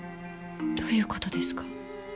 どういうことですか？